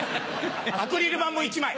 アクリル板も１枚。